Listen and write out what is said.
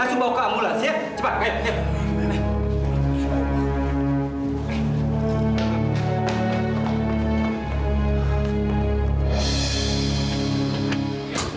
langsung bawa ke ambulans ya cepat ayo